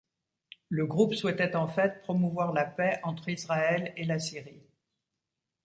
Le groupe souhaitait en fait promouvoir la paix entre Israël et la Syrie.